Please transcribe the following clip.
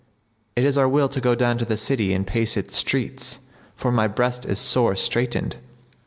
it is our will to go down to the city and pace its streets, for my breast is sore straitened."